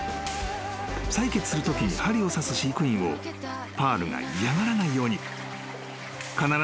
［採血するときに針を刺す飼育員をパールが嫌がらないように必ず終わった後には］